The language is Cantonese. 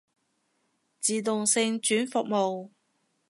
自動性轉服務